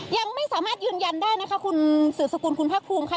ยังไม่สามารถยืนยันได้นะคะคุณสื่อสกุลคุณภาคภูมิค่ะ